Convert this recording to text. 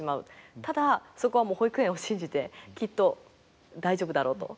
ただそこは保育園を信じてきっと大丈夫だろうと。